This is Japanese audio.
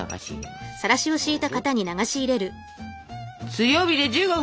強火で１５分！